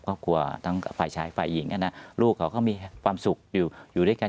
ก็กลัวทั้งฝ่ายชายฝ่ายหญิงนะครับลูกเขาก็มีความสุขอยู่ด้วยกัน